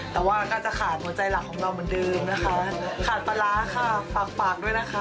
แต่ว่าก็จะขาดหัวใจหลักของเราเหมือนเดิมนะคะขาดปลาร้าค่ะฝากฝากด้วยนะคะ